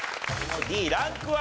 Ｄランクは？